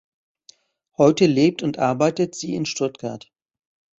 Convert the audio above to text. Heute lebt und arbeitet sie in Stuttgart.